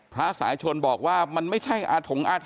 พระสายชนบอกว่ามันไม่ใช่ฐงอาถรรย์นั่นไรหรอก